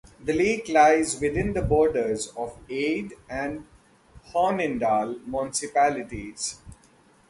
The lake lies within the borders of Eid and Hornindal municipalities.